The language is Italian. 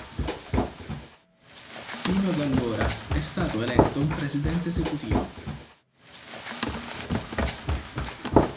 Fino ad allora è stato eletto un presidente esecutivo.